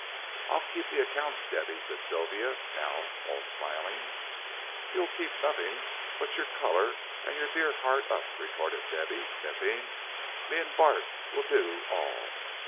"I'll keep the accounts, Debby," said Sylvia, now all smiling. "You'll keep nothin' but your color an' your dear 'eart up," retorted Debby, sniffing; "me an' Bart 'ull do all.